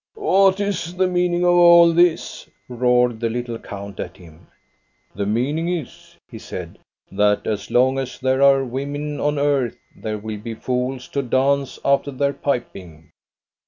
" What is the meaning of all this? " roared the lit tle count at him. " The meaning is," he said, " that as long as there are women on earth, there will be fools to dance after their piping."